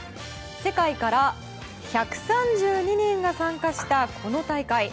世界から１３２人が参加したこの大会。